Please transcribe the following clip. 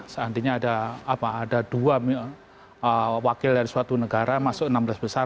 seandainya ada dua wakil dari suatu negara masuk enam belas besar